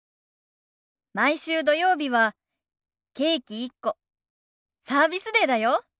毎週土曜日はケーキ１個サービスデーだよ。